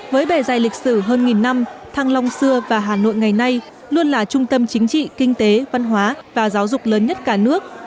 với bề dày lịch sử hơn nghìn năm thăng long xưa và hà nội ngày nay luôn là trung tâm chính trị kinh tế văn hóa và giáo dục lớn nhất cả nước